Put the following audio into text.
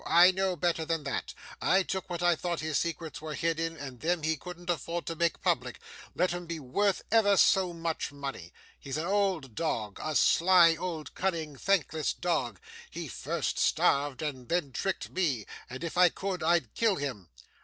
I knew better than that. I took what I thought his secrets were hid in: and them he couldn't afford to make public, let'em be worth ever so much money. He's an old dog; a sly, old, cunning, thankless dog! He first starved, and then tricked me; and if I could I'd kill him.